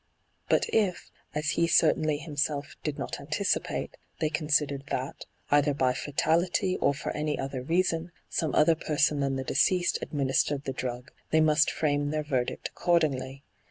But if, as he certainly himself did not anticipate, they considered that, either by fatality or for any other reason, some other person than the deceased administered the drug, they must frame their verdict accordingly.